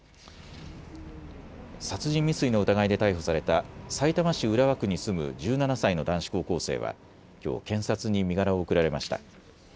殺人未遂の疑いで逮捕されたさいたま市浦和区に住む１７歳の男子高校生はきょう検察に身柄を送られました。